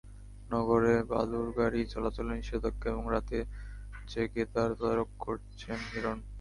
নগরে বালুর গাড়ি চলাচলে নিষেধাজ্ঞা এবং রাত জেগে তার তদারক করেছেন হিরন।